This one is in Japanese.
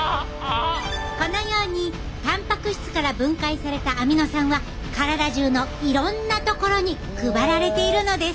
このようにたんぱく質から分解されたアミノ酸は体じゅうのいろんなところに配られているのです。